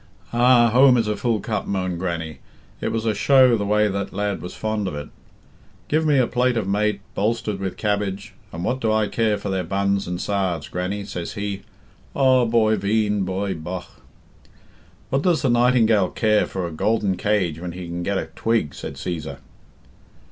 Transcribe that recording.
"Ah! home is a full cup," moaned Grannie. "It was a show the way that lad was fond of it. 'Give me a plate of mate, bolstered with cabbage, and what do I care for their buns and sarves, Grannie,' says he. Aw, boy veen, boy bogh!" "What does the nightingale care for a golden cage when he can get a twig?" said Cæsar.